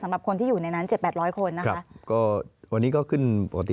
สำหรับคนที่อยู่ในนั้น๗๐๐๘๐๐คนนะคะ